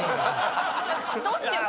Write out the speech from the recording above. どうしよう。